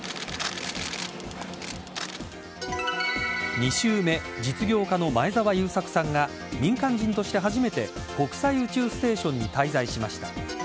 ２週目実業家の前澤友作さんが民間人として初めて国際宇宙ステーションに滞在しました。